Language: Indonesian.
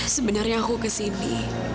sebenarnya aku kesini